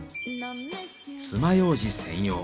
つまようじ専用。